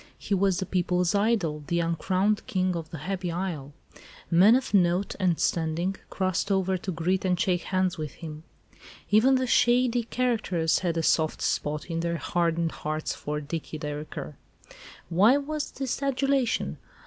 He was the people's idol, the uncrowned king of the happy isle. Men of note and standing crossed over to greet and shake hands with him. Even the shady characters had a soft spot in their hardened hearts for "Dicky Dereker." Why was this adulation?